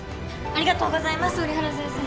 ありがとうございます折原先生。